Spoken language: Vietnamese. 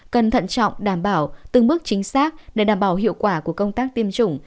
cần thận trọng đảm bảo từng bước chính xác để đảm bảo hiệu quả của công tác tiêm chủng